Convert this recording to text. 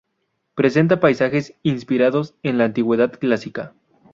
Presenta paisajes inspirados en la Antigüedad clásica.